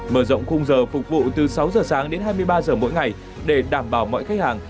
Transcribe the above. mở rộng khung giờ phục vụ từ sáu giờ sáng đến hai mươi ba giờ mỗi ngày để đảm bảo mọi khách hàng